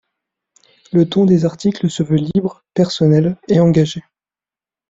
Le ton des articles se veut libre, personnel et engagé.